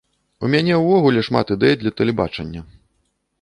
У мяне ўвогуле шмат ідэй для тэлебачання.